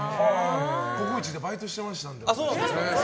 ココイチでバイトしてましたんで。